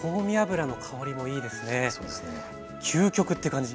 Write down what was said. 究極って感じ。